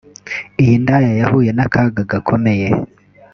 iy’indaya yahuye n’akaga gakomeye